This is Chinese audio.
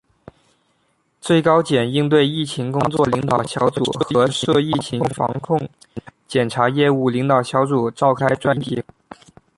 最高检应对疫情工作领导小组和涉疫情防控检察业务领导小组召开专题会议